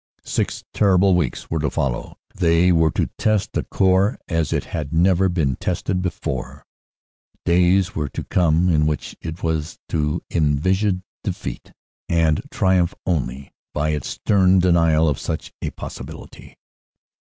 Six terrible weeks were to follow. They were to test the PLANNING ATTACK ON HINDENBURG LINE 115 Corps as it had never been tested before. Days were to come in which it was to envisage defeat and triumph only by its stern denial of such a possibility.